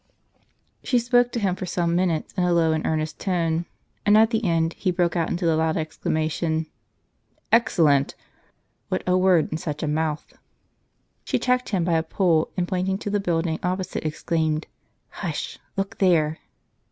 She spoke to him for some minutes in a low and earnest tone ; and at the end, he broke out into the loud exclamation, " Excellent !" What a word in such a mouth ! She checked him by a pull, and pointing to the building opposite, exclaimed :" Hush ! look there